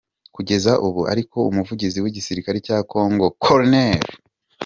Kugeza ubu ariko Umuvugizi w’igisirikare cya Congo Col.